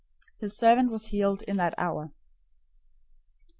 His servant was healed in that hour.